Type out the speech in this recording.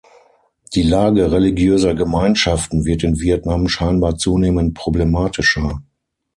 Die Lage religiöser Gemeinschaften wird in Vietnam scheinbar zunehmend problematischer.